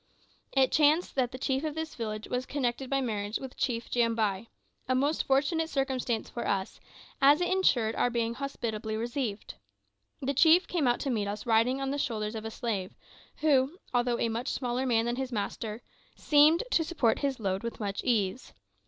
It chanced that the chief of this village was connected by marriage with King Jambai a most fortunate circumstance for us, as it ensured our being hospitably received. The chief came out to meet us riding on the shoulders of a slave, who, although a much smaller man than his master, seemed to support his load with much case.